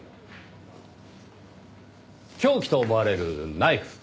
凶器と思われるナイフ。